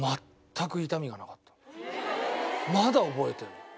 まだ覚えてる。